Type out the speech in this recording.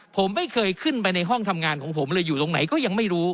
ผมไม่เคยขึ้นไปในห้องทำงานของผมเลยอยู่ตรงไหนก็ยังไม่รู้